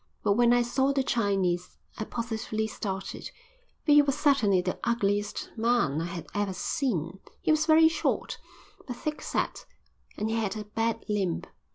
But when I saw the Chinese I positively started, for he was certainly the ugliest man I had ever seen. He was very short, but thick set, and he had a bad limp.